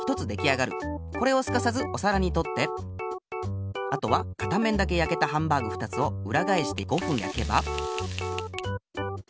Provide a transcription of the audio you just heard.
これをすかさずおさらにとってあとは片面だけやけたハンバーグ２つをうらがえして５ふんやけば。